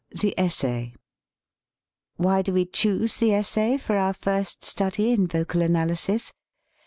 II THE ESSAY WHY do we choose the essay for our first study in vocal analysis